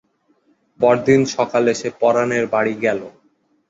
পরদিন সকালে সে পরানের বাড়ি গেল।